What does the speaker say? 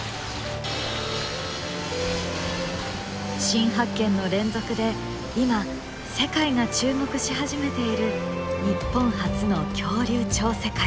新発見の連続で今世界が注目し始めている日本発の恐竜超世界。